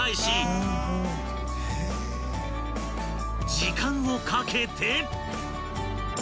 ［時間をかけて］